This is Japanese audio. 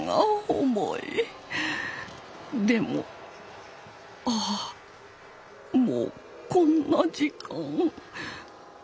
でもああもうこんな時間。